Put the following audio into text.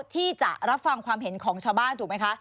ที่จะรับฟังความเห็นของชาวบ้านถูกไหมคะ